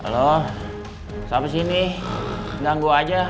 masa apa sih ini ganggu aja